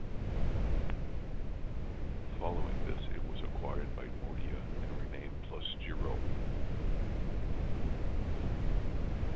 Following this it was acquired by Nordea and renamed PlusGirot.